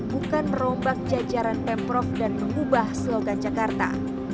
bukan merombak jajaran pemprov dan mengubah slogan jakarta